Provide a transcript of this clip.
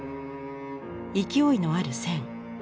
勢いのある線。